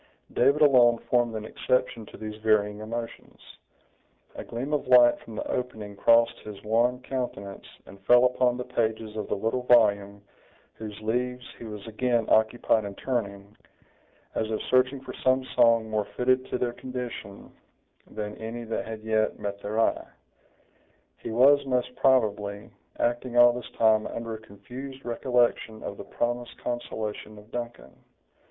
David alone formed an exception to these varying emotions. A gleam of light from the opening crossed his wan countenance, and fell upon the pages of the little volume, whose leaves he was again occupied in turning, as if searching for some song more fitted to their condition than any that had yet met their eye. He was, most probably, acting all this time under a confused recollection of the promised consolation of Duncan.